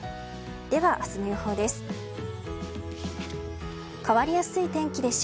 では、明日の予報です。